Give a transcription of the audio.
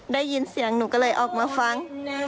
ได้ยินเสียงหนูก็เลยออกมาฟัง